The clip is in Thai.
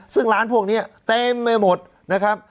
ซึ่งร้านพวกนี้เต็มไปหมดนะครับ